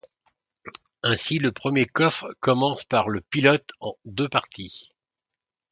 Ainsi le premier coffret commence par le pilote en deux parties '.